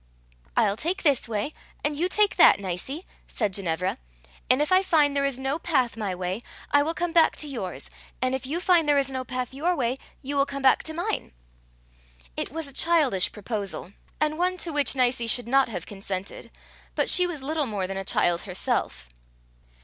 "I'll take this way, and you take that, Nicie," said Ginevra, "and if I find there is no path my way, I will come back to yours; and if you find there is no path your way, you will come back to mine." It was a childish proposal, and one to which Nicie should not have consented, but she was little more than a child herself.